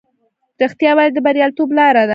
رښتیا ویل د بریالیتوب لاره ده.